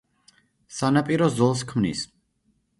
სანაპირო ზოლს ქმნის.